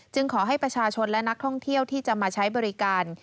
ขอให้ประชาชนและนักท่องเที่ยวที่จะมาใช้บริการ